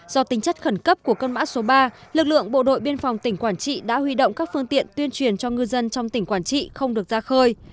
do tính chất khẩn cấp của cơn bão số ba lực lượng bộ đội biên phòng tỉnh quảng trị đã huy động các phương tiện tuyên truyền cho ngư dân trong tỉnh quảng trị không được ra khơi